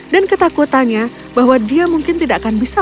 dan ketakutannya bahwa dia mungkin tidak akan bisa